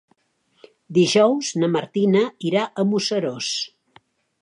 Dijous na Martina irà a Museros.